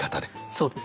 そうですね。